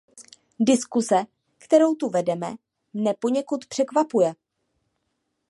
Diskuse, kterou tu vedeme, mne poněkud překvapuje.